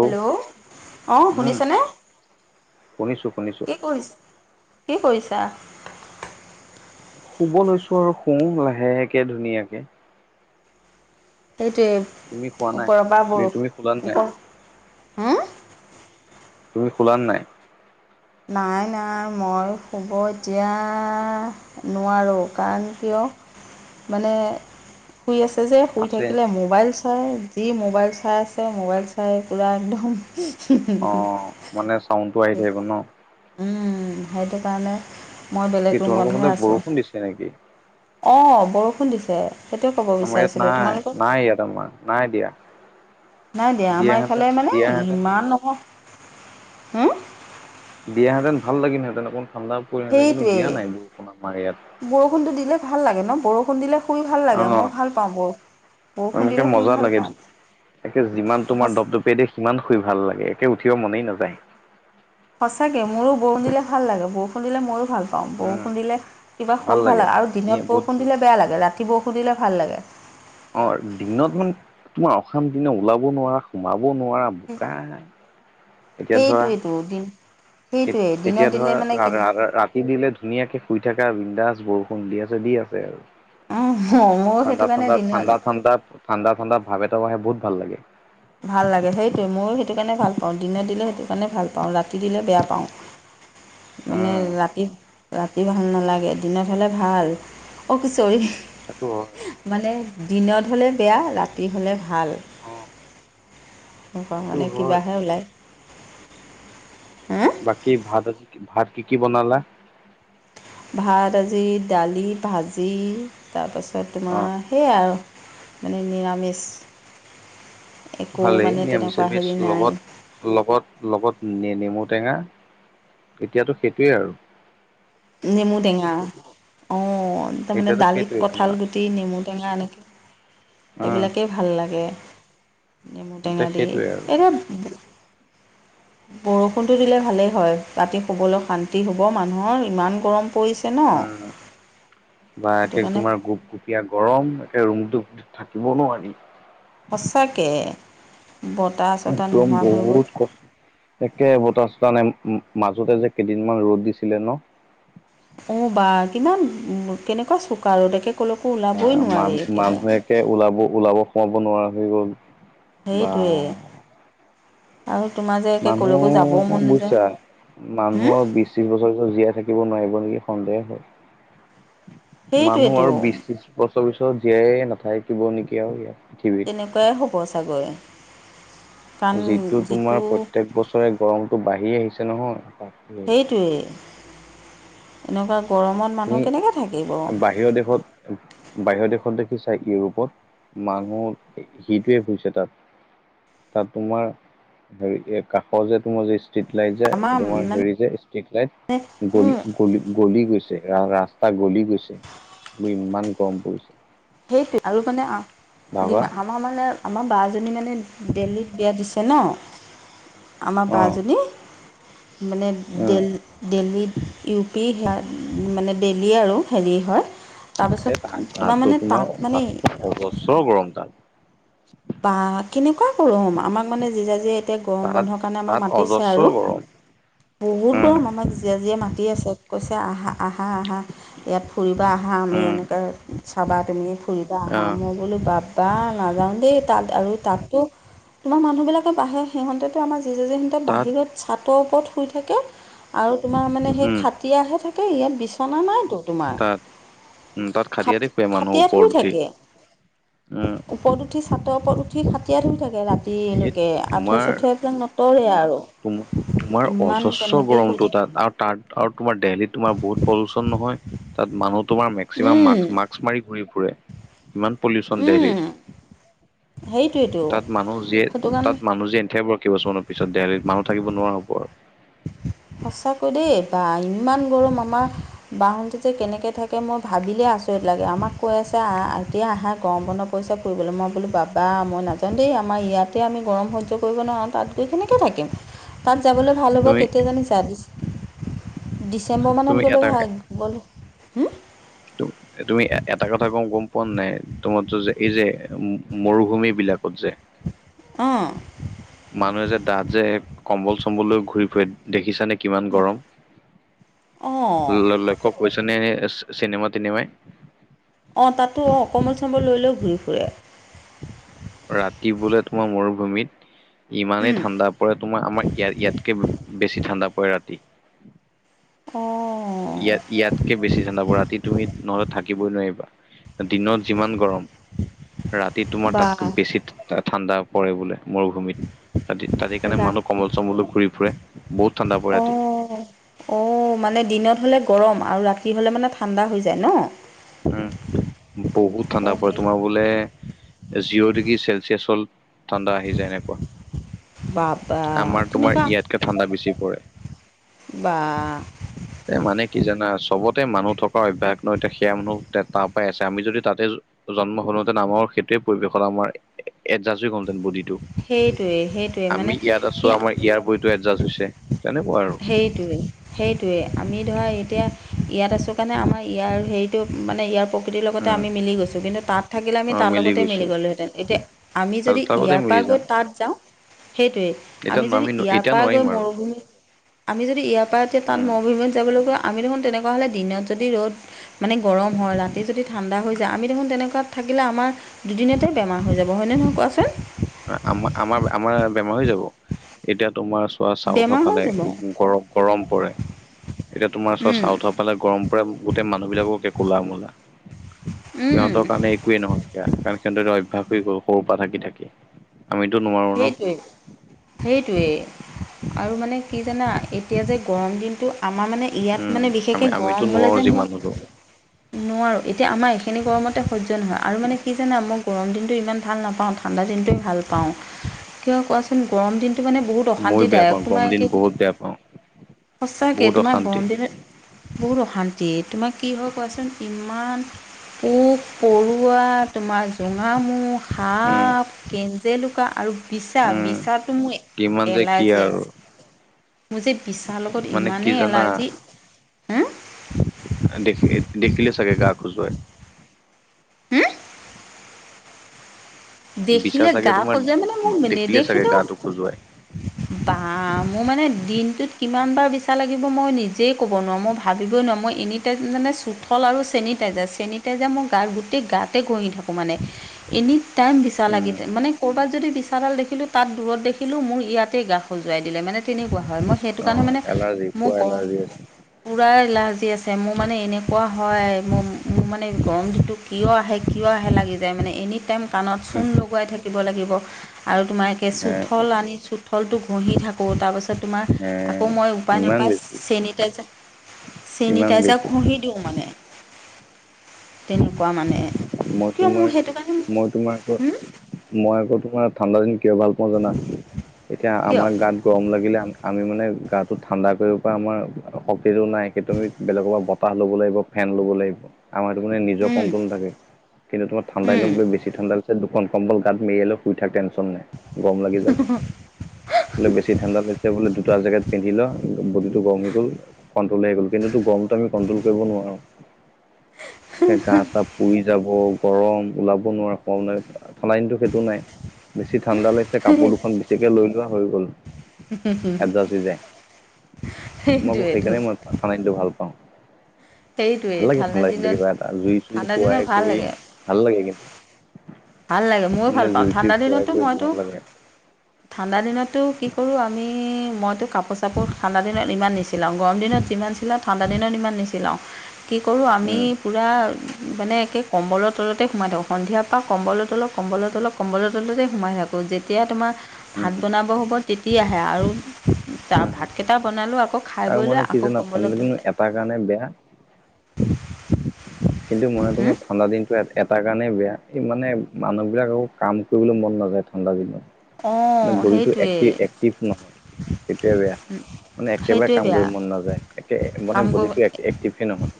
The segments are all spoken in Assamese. হেল্ল! অঁ, উম শুনিছনে? শুনিছো শুনিছো কি কৰি কি কৰিছা? শুব লৈছো আৰু। শুৱোঁ লাহেকে ধুনীয়াকে। তুমি শুৱা সেইটোৱে। নাই ওপৰৰ পা তুমি তুমি শুলা বৰষুণ নাই এটুপ হোঁও তুমি শুলানে নাই? নাই, নাই। মই শুব এতিয়া নোৱাৰোঁ। কাৰণ কিয় মানে? শুই আছে যে শুই আছে থাকিলে, মোবাইল- চাই, যি মোবাইল চাই আছে। মোবাইল চাই পূৰা একদম অ ওঁহো-ওহো মানে চাউণ্ডটো আহি থাকিব ন? উম, সেইটো কাৰণে। মই বেলেগ কি তোমালোকৰ ৰুমতহে ফালে আছোঁ বৰষুণ দিছে নেকি? অঁ বৰষুণ দিছে। সেইটোৱে ক'ব আমাৰ ইয়াত বিচাৰিছিলোঁ নাই, তোমালোকক নাই ইয়াত আমাৰ নাই দিয়া। নাই দিয়া, আমাৰ দিয়াহেঁতেন এইফালে মানে দিয়াহেঁতেন ইমান নহয় হুম, দিয়া হেঁতেন ভাল লাগিল হেঁতেন অকণ ঠাণ্ডা পৰিল হেঁতেন কিন্তু দিয়া নাই সেইটোৱেই অকণ আমাৰ ইয়াত। বৰষুণটো দিলে ভাল লাগে ন' বৰষুণ দিলে শুই ভাল অ লাগে ম'ও ভাল পাওঁ বৰষ বৰষুণ এনেকে দিলে শুই মজা ভাল লাগে পাওঁ। একে যিমান তোমাৰ দপদপিয়াকে দিয়ে, সিমান শুই ভাল লাগে। একে উঠিব মনেই নাযায়। সঁচাকে মোৰো বৰুষণ দিলে ভাল লাগে, বৰষুণ দিলে মইও ভাল অঁহ উম বৰষুণ দিলে কিবা শুই ভাল লাগে, আৰু দিনত ধুনীয়া বহুত বৰষুণ ভাল দিলে বেয়া লাগে। ৰাতি বৰষুণ দিলে ভাল লাগে। অঁ দিনত মানে তোমাৰ অশান্তি নে ওলাব নোৱাৰা, সোমাব নোৱাৰা বোকা সেইটেৱেটো, দিন এ সেইটোৱে দিনত এতিয়া ধৰা দিলে মানে ৰাধা ৰাধ ৰা যি দিলে ধুনীয়াকে শুই থাকা বিন্দাজ বৰষুণ দি আছে দি আছে আও। কেনে ময়ো ঠাণ্ডা সেইটো কাৰণে ঠাণ্ডা, দিনত ঠাণ্ডা ঠাণ্ডা, ঠাণ্ডা ঠাণ্ডা ভাৱ এটাও আহে বহুত ভাল লাগে। ভাল লাগে সেইটোৱেই ময়ো সেইটো কাৰণে ভাল পাওঁ, দিনত দিলে সেইটো কাৰণে ভাল পাওঁ। ৰাতি দিলে বেয়া পাওঁ। মানে উম ৰাতি, ৰাত ৰাতি ভাল নালাগে, দিনত হ'লে ভাল। অ'হ‌ কি চৰি সেটো হয় মানে দিনত হ'লে বেয়া, ৰাতি হ'লে ভাল। অঁহ নকা মানে কিবাহে ওলায়। হা বাকী ভাত আজি, ভাত কি কি বনালা? ভাত আজি দালি, ভাজি তাপাছত অ তোমাৰ সেইয়া আৰু মানে নিৰামিষ। একো ভালেই মানে নিৰামিষে তেনেকুৱা ভেজ হেৰি নাই। লগত লগত লগত নে নেমু টেঙা, এতিয়াতো সেটোৱে আৰু নেমু টেঙা, অ' তামানে এতিয়াতো দালিত সেইটোৱে কঁঠাল তোমাৰ গুট টি নেমু টেঙা, এনেকে উম সেইবিলাকেই ভাল লাগে। নেমু এতিয়া টেঙা দি। সেইটোৱে আৰু এদে বৰষুণটো দিলে ভালেই হয়। ৰাতি শুবলৈ শান্তি হ'ব মানুহৰ, ইমান গৰম পৰি উম, বা সেইটো আকিৰ কাৰণে তোমাৰ গোপ গোপ কিয়া গৰম, একে ৰুমটোত থাকিব নোৱাৰি। সঁচাকে, বতাহ চতাহ একদম নোহোৱা হৈ গ'ল। বহুত কষ্ট একে বতাহ চতাহ নাই, ও মাজতে যে কেইদিনমান ৰ'দ দিছিলে ন' অঁ বা কিমান ওম কেনেকুৱা চোকা ৰ'দ একে কলৈকো ওলাবই নোৱাৰি একেবাই। কে ওলাব ওলাব সোমাব নোৱাৰা হৈ গ'ল। বা সেইটোৱে আৰু তোমাৰ যে একে ক'লৈকো যাবও মানুহ মন নাযায় বুইছা হুম মানুহৰ বিচ বেছি বছৰ বছৰো জীয়াই থাকিব নোৱাৰিব নিকি সন্দেহ হয়। মানুহ সেইটোৱেতো আৰু বিশ ত্ৰিশ বছৰ পিছত জীয়াই নাথাকিব নেকি আৰু ইয়াত পৃথিৱীত। তেনেকুৱাই হ'ব চাগৈ। যিটো তোমাৰ প্ৰত্যেক বছৰে গৰমটো বাঢ়ি আহিছে নহয়, সেইটোৱেই এনেকোৱা গৰমত মানুহ তুমি, কেনেকৈ থাকিব বাহিৰৰ দেশত বাহিৰৰ দেশত দেখিচা ইউৰোপত মানুহ সি সিটোৱে ফুৰিছে তাত। তাত তোমাৰ হেৰি এই কাষৰ যে তোমাৰ যে ষ্টিট লাইট যে আমাৰ তোমাৰ হেৰি যে ষ্ট্ৰিট লাইট, গল মানে গলি গলি গৈছে। ৰা ৰাস্তা গলি গৈছে, তোৰ ইমান গৰম পৰিছে। সেইটো আৰু মানে আ ভাবা ডিমা আ মাৰ মানে আমাৰ বাজনী মানে দেল্লীত বিয়া দিছে ন। আমাৰ অ বাজনী মানে উম দেল্ল দেল্লীত, ইউ পি সেয়া মানে দেল্লী আৰু হেৰি হয়। তাৰপাছত তোমাৰ মানে তাত আমাৰ মানে তাত অজস্ৰ গৰম তাত। বা কেনেকোৱা গৰম আমাক মানে জীজাজিয়ে এতিয়া গৰম তাত বন্ধৰ কাৰণে তাত আমাক মাতিছে অজস্ৰ আৰু। গৰম বহুত উম গৰম, আমাক জীজাজিয়ে মাতি আছে। কৈছে আহা, আহা আহা ইয়াত ফুৰিবা আহা আমি উম এনেকৈ চাবা তুমি ফুৰিবা আহা, আহ মই বোলো বাপ্পা নাযাওঁ দেই তাত আৰু তাততো তোমাৰ মানুহবিলাকে বাহে সিহঁতেতো আমাৰ জীজাজীহতে তাত বাহিৰত ছাটৰ ওপৰত শুই থাকে আৰু তোমাৰ মানে সেই উম খাটিয়াহে থাকে ইয়াত বিচনা নাইতো। তোমাৰ, তাত উম তাত খাটিয়াতে খাট শুৱে মানুহ খাটিয়াত ওপৰত শুই উঠি থাকে। উম ওপৰত উঠি চাটৰ ওপৰত উঠি খাটিয়াত শুই থাকে সেই ৰাতিলৈকে আঠুৱা - তোমাৰ চাঠুৱা এইবিলাক নটৰে আৰু। তোম তোমাৰ ইমান অজস্ৰ তেনেকেই শুই গৰমটো থাকে তাত আৰু তাৰ আৰু তোমাৰ দেলহীত তোমাৰ বহুত পলিওশন নহয় তাত মানুহ তোমাৰ মেক্সিমাম উম। মাৰ্ক্স মাৰ্ক আক্স মাৰি ঘুৰি ফুৰে ইমান পলিওশন দেলহীত। সেইটোৱেটো। এত তাত মানুহ যে [unintelligible] কেইবছৰমানৰ পিছত দেলহীত মানুহ থাকিব নোৱাৰা হ'ব আৰু। সঁচাকৈ দেই, বা ইমান গৰম আমাৰ বাহতেটো কেনেকে থাকে মই ভাবিলেই আচৰিত লাগে, আমাক কৈ আছে আহ এতিয়া আহা গৰম বন্ধ পৰিছে কৰিবলৈ, মই বোলো বাবা মই নাজাওন দেই আমাৰ ইয়াতে আমি গৰম সহ্য কৰিব নোৱাৰোঁ তাত গৈ কেনেকে থাকিম। তাত যাবলৈ ভাল হ'ব তুমি কেতিয়া জানিছা? ডিচ ডিচেম্বৰ তুমি মানত গ'লে এটা ভাল। বলো, হুম? [unintelligible] এ তুমি এ এটা কথা কওঁ গম পোৱা নাই তোমাৰটো যে এই যে ম মৰুভূমিবিলাকত যে অঁ। মানুহে যে তাত যে কম্বল - চম্বল লৈ ঘূৰি ফুৰে। দেখিছানে কিমান গৰম? অঁ ল ল লক্ষ্য কৰিছানে চি চিনেমা তিনিমাই অঁ তাতো অ কম্বল- চম্বল লৈ লৈ ঘূৰি ফুৰে। ৰাতি বোলে তোমাৰ মৰুভূমিত ইমানেই উম, ঠাণ্ডা পৰে তোমাৰ আমাৰ ইয়াত ইয়াতকে বেছি ঠাণ্ডা পৰে ৰাতি। অঁ ইয়াত ইয়াতকে বেছি ঠাণ্ডা পৰা ৰাতি তুমি নহ'লে থাকিবই নোৱাৰিবা। দিনত যিমান গৰম, ৰাতি তোমাৰ বা তাতকৈ বেছি ঠা টা ঠাণ্ডা পৰে বোলে। মৰুভূমিত ৰাতি তাত সেইকাৰণে ৰাতি মানুহ কম্বল চম্বল লৈ ঘূৰি ফুৰে বহুত ঠাণ্ডা পৰে ৰাতি। অ মানে দিনত হলে গৰম আৰু ৰাতি হলে মানে ঠাণ্ডা হৈ যায় ন? উম, বহুত ঠাণ্ডা অঁ পৰে সেই তোমাৰ বোলে জিৰ' ডিগ্ৰী চেলচিয়াছ হল ঠাণ্ডা আহি যায় এনেকোৱা, বাবা আমাৰ তোমাৰ তেনেকুৱা ইয়াতকে ঠাণ্ডা বেছি পৰে। বা। এ মানে কি জানা চবতে মানুহ থকা অভ্যাস ন' এতিয়া মানুহ তাৰ পৰাই আছে। আমি যদি তাতে জন্ম হলোঁ হেতেন আমাৰো সেইটোৱে পৰিৱেশত আমাৰ এডজাষ্ট হৈ গ'ল হেঁতেন বডীটো। সেইটোৱে সেইটোৱে আমি মানে ইয়াত আছো কি আমাৰ ইয়াৰ বডীটো এডজাষ্ট হৈছে। তেনেকুৱা আৰু সেইটোৱেই। সেইটোৱে, আমি ধৰা এতিয়া ইয়াত আছোঁ কাৰণে আমাৰ ইয়াৰ হেৰিটো মানে ইয়াৰ প্ৰকৃতিৰ লগতে উম আমি মিলি গৈছোঁ। কিন্তু তাত থাকিলে অ আমি তাৰ লগতেই গৈছো মিলি গলো হেঁতেন। এতিয়া আমি যদি তাৰ লগতে ইয়াৰ মিলি পৰা গৈ যাম তাত যাওঁ সেইটোৱে, এতিয়া আমি ন- যদি ন- ইয়াৰ এতিয়া পৰা নোৱাৰিম গৈ আৰু মৰুভূমি আমি যদি ইয়াৰ পৰা এতিয়া তাত উম মৰুভূমিত যাবলৈ গৈ আমি দেখোন তেনেকুৱা হ'লে দিনত যদি ৰ'দ মানে গৰম হয়। ৰাতি যদি ঠাণ্ডা হৈ যায় আমি দেখোন তেনেকুৱাত থাকিলে আমাৰ দুদিনতে বেমাৰ হৈ যাব। হয়নে নহয় কোৱাচোন? আমাৰ আমাৰ আমাৰ বেমাৰ হৈ যাব। এতিয়া তোমাৰ পুৰা চাউথৰ বেমাৰ হৈ ফালে যাব গৰম গৰম পৰে। এতিয়া তোমাৰ চোৱা উম, চাউথৰ ফালে গৰম পৰে গোটেই মানুহবিলাকো একে ক'লা মোলা। উম, সিহঁতৰ কাৰণে একোৱেই নহয় সেয়া। কাৰণ সিহঁতৰটো অভ্যাস হৈ গ'ল সৰুৰ পৰা থাকি থাকি। আমিতো নোৱাৰো। ন সেইটোৱে। সেইটোৱেই আৰু মানে কি জানা এতিয়া যে গৰম দিনটো আমাৰ মানে ইয়াত উম মানে বিশেষকে আমি আমিতো গৰম হ'লে নোৱাৰো যে মোৰ যিমান হলেও নোৱাৰো। এতিয়া আমাৰ এইখিনি গৰমতে সহ্য নহয় আৰু মানে কি জানা মই গৰম দিনটো ইমান ভাল নাপাওঁ। ঠাণ্ডা দিনটোৱে ভাল পাওঁ। কিয় কোৱাচোন গৰম দিনটো মানে বহুত ময়ো বেয়া অশান্তিদায়ক, পাওঁ গৰম তোমাৰ দিন কি, বহুত বেয়া পাওঁ সচাকে বহুত তোমাৰ অশান্তি গৰম দিনত বহুত অশান্তি। তোমাক কি হয় কোৱাচোন ইমান পোক-পৰুৱা, তোমাৰ জোঙামু, উম সাপ, কে কেঞ্জেলুকা আৰু বিছা, উম বিছাটো মোৰ কিমান যে কি এলাৰ্জি আৰু আছে। মোৰ যে বিচাৰ লগত মানে কি ইমানেই জানা এলাৰ্জি, হুম? দেখি- লদেখিলে চাগে গা খোজুৱাই। হম? বিছা দেখিলে চাগে গা তোমাৰ খজুৱাই মানে মোক দেখিলে চাগে নেদেখিলেও গাটো খজুৱাই বা মোৰ মানে দিনটোত কিমান বাৰ বিচা লাগিব মই নি জেই ক'ব নোৱাৰো, মই ভাবিবই নোৱাৰো। মই এনে মানে চুঠল আৰু চেনিটাইজাৰ, চেনিটাইজাৰ মই গাৰ গোটেই গাতে ঘঁহি থাকোঁ মানে। এনি টাইম বিচা উম লাগি যায়। মানে ক'ৰবাত যদি বিচাডাল দেখিলোঁ তাত দূৰত দেখিলোঁ মোৰ ইয়াতেই গা সজুৱাই দিলে মানে তেনেকুৱা হয়। মই সেইটো অ কাৰণে মানে এলাৰ্জি মোক পুৰা গ এলাৰ্জি আছে পোৰা এলাৰ্জি আছে। মোৰ মানে এনেকুৱা হয় মোৰ-মোৰ মানে গৰম যিটো কিয় আহে কিয় আহে লাগি যায় মানে এনি টাইম কাণত উম চূণ লগোৱাই থাকিব লাগিব আৰু তোমাৰ একে হে চোঠল আনি চু থলটো ঘঁহি থাকো তাৰ পাছত তোমাৰ হে আকৌ মই উপায় ইমান নাপাই বেছি চেনিটাইজাৰ- ইমান চিনিটাইজাৰ বেছি ঘঁহি দিওঁ মানে তেনেকুৱা মানে। মই কিয় তোমাৰ মোৰ সেইটো কাৰণে মই তোমাৰ আকৌ হ'ম? মই আকৌ তোমাৰ ঠাণ্ডা দিন কিয় ভাল পাওঁ জানা। এতিয়া কিয় আমাৰ গাত গৰম লাগিলে আম আমি মানে গাটো ঠাণ্ডা কৰিব পৰা আমাৰ শক্তিটো নাই সেইটো আমি বেলেগৰ পৰা বত বতাহ ল'ব লাগিব, ফেন ল'ব লাগিব আমাৰতো মানে নিজৰ উম কট্ৰল নাথাকে কিন্তু তোমাৰ ঠাণ্ডা উম দিনত লৈ বেছি ঠাণ্ডা দুখন কম্বল গাত মেৰিয়াই লৈ শুই থাক টেনচন নাই, গৰম লাগি যাব। বোলে বেছি ঠাণ্ডাত আছে বোলে দুটা জেকেট পিন্ধি ল বডিটো গৰম হৈ গ'ল কণ্ট্ৰল আহি গ'ল কিন্তুটো গৰমটো আমি কন্ট্ৰল কৰিব নোৱাৰো। সেই গাছ পুৰি যাব, গৰম ওলাব নোৱাৰা কাৰণে ঠান্দা দিনটো সেইটো নাই, বেছি ঠাণ্ডা লাগিছে কাপোৰ দুখন বেছিকে লৈ লোৱা হৈ গ'ল। এটযাচ হৈ যায়। মই আকৌ সেইটোৱেইটো সেইকাৰণে মই ঠাণ্ডা দিনতো ভাল পাওঁ ভাল সেইটোৱেই লাগে ঠাণ্ডা দিনতো দিনত কিবা এটা জুই ঠাণ্ডা দিনত খোৱাই ভাল কৰি লাগে ভাল লাগে কিন্তু ভাল লাগে ময়ো ভাল মানে পাওঁ জুই চুই ঠাণ্ডা ফুৱাই দিনতটো কৰি মইতো ভাল লাগে ঠাণ্ডা দিনততো কি কৰোঁ আমি মইতো কাপোৰ চাপোৰ ঠাণ্ডা দিনত ইমান নিচিলাওঁ গৰম দিনত যিমান ছিলাও ঠাণ্ডা দিনত ইমান নিছিলাও কি কৰোঁ আমি উম পূৰা মানে একে কম্বলৰ তলতে সোমাই থাকো সন্ধিয়া পা কম্বলৰ তলপ কম্বলৰ তলপ কম্বলৰ তলতেই সোমাই থাকোঁ যেতিয়া তোমাৰ উম ভাত বনাব হ'ব তেতিয়াহে আৰু উম ভাতকেইটা বনাইলৈ আকৌ খাই বৈ লৈ আকৌ কম্বলৰ তলতে তাৰ কাৰণে বেয়া [unintelligible] কিন্তু ময়টো মই ঠাণ্ডা দিনটো এট এটা কাৰণেই বেয়া এই মানে মানুহবিলাকৰ একো কাম কৰিবলে মন নাযায় ঠাণ্ডা দিনত মানে অঁ বডিটো সেইটোৱে এক্টি এক্টিভ নহয়। সেইটোয়ে বেয়া মানে একেবাৰে সেইটোৱে কাম বেয়া কৰিব মন নাযায় একে মানে কাম কৰিব বডিটো এক এক ক্টিভে নহয়।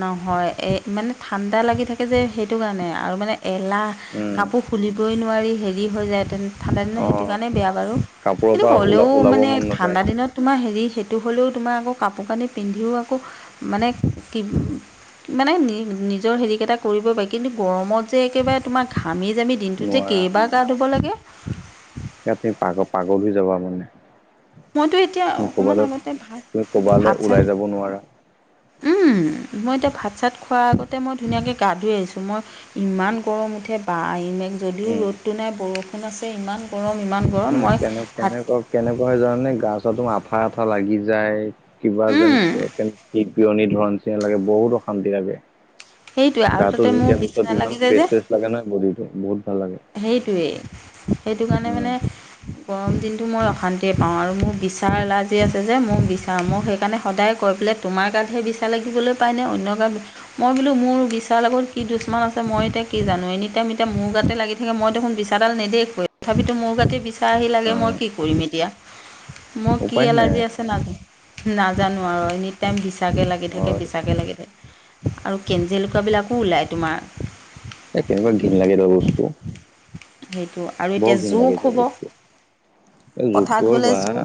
নহয় এ মানে ঠাণ্ডা লাগি থাকে যে সেইটো কাৰণে আৰু মানে এলাহ উম কাপো খুলিবই নোৱাৰি হেৰি হৈ যায়তেন ঠাণ্ডা দিনত অ সেইটো কাৰণে বেয়া বাৰু কাপোৰৰ কিন্তু পৰা ওলা হ'লেও ওলাব মানে মন নাযায় ঠাণ্ডা দিনত তোমাৰ হেৰি সেইটো হ'লেও তোমাৰ আকৌ কাপোৰ কানি পিন্ধিও আকৌ মানে কিব মানে নি নিজৰ হেৰিকেইটা কৰিব পাৰি, কিন্তু গৰমত যে একেবাৰে তোমাৰ ঘামি জামি দিনটোত যে নোৱাৰা কেইবাৰ গাধুব লাগে। ইয়াত পাগ পাগল হৈ যাবা মানে। মইতো এতিয়া তুমি অকণমান কবালে আগতে ভাত তুমিও কবালে ভাত চাত ওলাই যাব নোৱাৰা। উম মই এতিয়া ভাত চাত খোৱাৰ আগতে মই ধুনীয়াকে গা ধুই আহিছোঁ মই ইমান গৰম উঠে বা যদিও উম ৰ'দতটো নাই বৰষুণ আছে ইমান গৰম ইমান গৰম মানে মই কেনে ভাত কেনেকুৱা কেনেকুৱা হয় জানানে গা চা ধু আঠা আঠা লাগি যায় কিবা যেন উম, কেন পিয়নী ধৰা নিছিনা লাগে বহুত অশান্তি লাগে সেইটোৱে আৰু গাটো তাতে ধুই মোৰ দিয়াৰ বিচনা পিছত ইমান লাগি ফ্ৰেছ-চ্ৰেছ লাগে নহয় বডিটো বহুত ভাল লাগে। সেইটোৱে সেইটো কাৰণে উম মানে গৰম দিনটো মই অশান্তিয়ে পাওঁ আৰু মোৰ বিচাৰ এলাৰ্জি আছে যে মই বিচাৰ মোক সেইকাৰণে সদায় কৈ পেলাই তোমাৰ গাতহে বিচা লাগিবলৈ পায়নে অন্য গাত মই বোলো মোৰ বিচাৰ লগত কি দুশ্মন আছে মই এতিয়া কি জানো, এনিটাইম এতিয়া মোৰ গাতে লাগি থাকে মই দেখোন বিছাডাল নেদেখুৱে তথাপিতো মোৰ গাতেই বিচা আহি অ লাগে মই কি কৰিম এতিয়া? মোৰ কি উপায় নাই এলাৰ্জি আছে নাজ নাজানো আৰু ইনে টাইম বিচাকে লাগি থাকে, হয় বিচাকে লাগি থাকে আৰু কেঞ্জেলুকুৱাবিলাকো ওলায় তোমাৰ একেবাৰে ঘৃন লাগে এইটো বস্তু। সেইটো আৰু এতিয়া বৰ ঘিন জোক লাগে এইটো হ'ব বস্তু, এই পথাৰত জোকটো আৰু গ'লে বা। জোক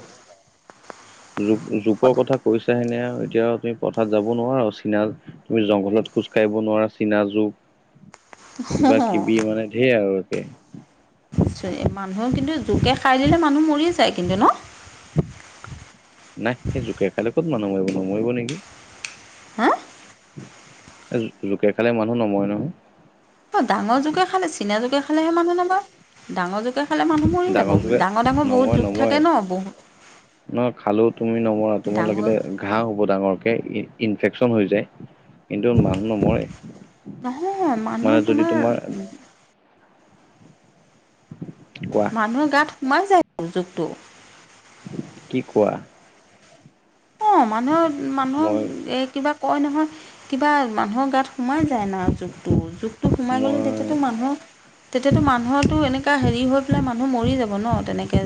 জু-জোকৰ কথা কৈছা হেনে আৰু এতিয়া তুমি পথাৰত যাব নোৱাৰা চিনা তুমি জংঘলত খোজ কাঢ়িব নোৱাৰা চিনা জোক। কিবা কিবি মানে ঢেৰ আৰু একে। মানুহেও কিন্তু জোকে খাই দিলে মানুহ মৰি যায় কিন্তু ন'? নাই, সেই জোকে খালে ক'ত মানুহ মাৰিব নমৰিব নেকি? হা? জোকে খালে মানুহ নমৰে নহয়। অ', ডাঙৰ জোকে খালে চিনা জোকে খালেহে মানুহ নমৰে, ডাঙৰ জোকে খালে মানুহ মৰি যাব জোকে ডাঙৰ ডাঙৰ নমৰে বহুত জোক নমৰে। থাকে ন' বহুত নহয় খালেও তুমি নমৰা, তোমাৰ ডাঙৰ লাগিলে ঘাঁহ হ'ব ডাঙৰকে ইনফেকচন হৈ যায়। কিন্তু মানুহ নহয় নমৰে। মানুহ মানে যদি তোমাৰ কোৱা? মানুহৰ গাত সোমাই যায়টো জোকটো। কি কোৱা? অ', মানুহৰ মই মানুহক এ কিবা কয় নহয় কিবা মানুহৰ গাত সোমাই যায় না জোকটো, জোক টো সোমাই গ'লে মই তেতিয়াতো মানুহক তেতিয়াতো মানুহৰো এনেকুৱা হেৰি হৈ পেলাই মানুহ মৰি যাব ন' তেনেকে।